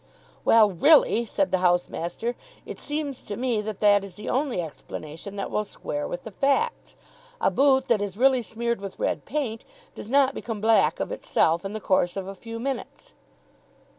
"Well, really," said the headmaster, "it seems to me that that is the only explanation that will square with the facts. A boot that is really smeared with red paint does not become black of itself in the course of a few minutes."